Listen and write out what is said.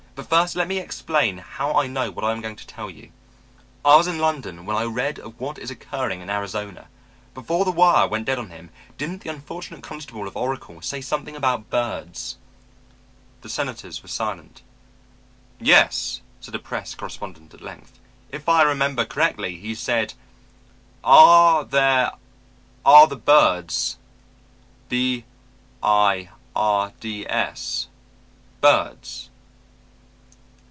"But first let me explain how I know what I am going to tell you. I was in London when I read of what is occurring in Arizona. Before the wire went dead on him, didn't the unfortunate constable of Oracle say something about birds?" The senators were silent. "Yes," said a press correspondent at length. "If I remember correctly, he said, 'And there are the birds b i r d s, birds.'"